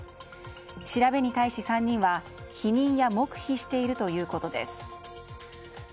調べに対し３人は否認や黙秘しているということです。